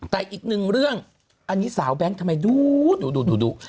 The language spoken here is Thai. แต่อีกหนึ่งเรื่องอันนี้สาวแบงค์ทำไมดูดู